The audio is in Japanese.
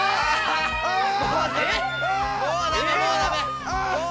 もう。